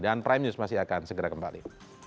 dan prime news masih akan segera kembali